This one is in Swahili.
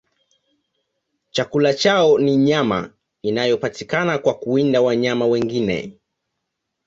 Chakula chao ni nyama inayopatikana kwa kuwinda wanyama wengine.